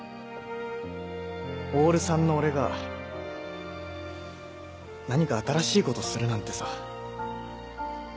オール３の俺が何か新しいことするなんてさ。